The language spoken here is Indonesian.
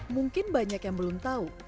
mungkin banyak yang belum tahu